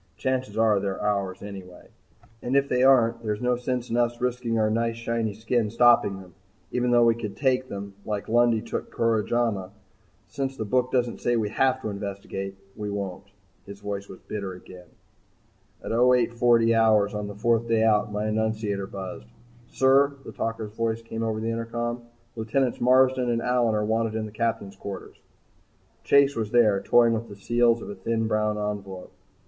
Chances are they're ours anyway and if they aren't there's no sense in us risking our nice shiny skin stopping them even though we could take them like Lundy took Koromaja. Since the book doesn't say we have to investigate, we won't." His voice was bitter again. At 0840 hours on the fourth day out, my annunciator buzzed. "Sir," the talker's voice came over the intercom, "Lieutenants Marsden and Allyn are wanted in the Captain's quarters." Chase was there toying with the seals of a thin, brown envelope.